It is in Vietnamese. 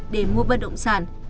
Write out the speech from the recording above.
để mua bất động sản